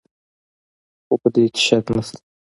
خو په دې کې شک نشته.